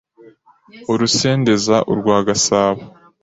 Urusendeza urwa Gasabo;